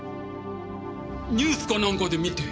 ニュースかなんかで見て。